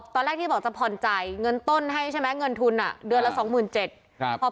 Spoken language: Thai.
ตอนแรกที่บอกจะผ่อนใจเงินต้นให้ใช่ไหมเงินทุนเดือนละ๒๗๐๐๐บาท